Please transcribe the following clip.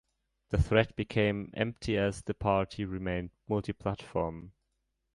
The threat became empty as The Party remained multi-platform.